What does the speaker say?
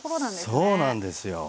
そうなんですよ。